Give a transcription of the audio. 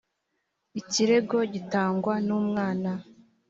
ikirego gitangwa n umwana